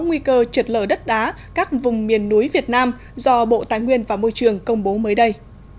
nguy cơ trượt lở đất đá các vùng miền núi việt nam do bộ tài nguyên và môi trường công bố mới đây